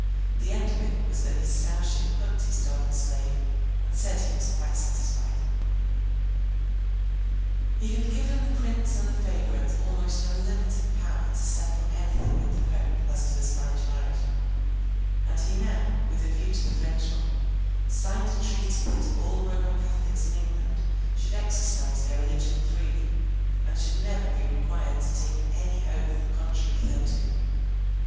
The end of it was that his Sowship hugged his dog and slave, and said he was quite satisfied. He had given the Prince and the favourite almost unlimited power to settle anything with the Pope as to the Spanish marriage; and he now, with a view to the French one, signed a treaty that all Roman Catholics in England should exercise their religion freely, and should never be required to take any oath contrary thereto.